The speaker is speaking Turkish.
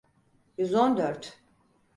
Yüz on dört.